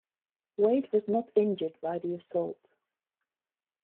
Wade was not injured by the assault.